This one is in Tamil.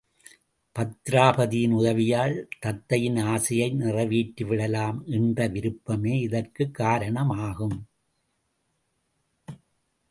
பத்திராபதியின் உதவியால் தத்தையின் ஆசையை நிறைவேற்றிவிடலாம் என்ற விருப்பமே இதற்குக் காரணமாகும்.